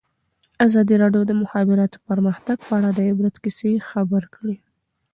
ازادي راډیو د د مخابراتو پرمختګ په اړه د عبرت کیسې خبر کړي.